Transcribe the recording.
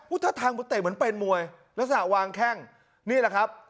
อุ๊ยถ้าทางมันเตะเหมือนเป็นมวยแล้วสนามวางแข้งนี่แหละครับ